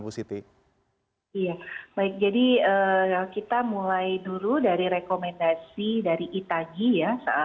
iya baik jadi kita mulai dulu dari rekomendasi dari itagi ya